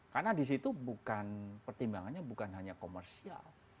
karena disitu pertimbangannya bukan hanya komersial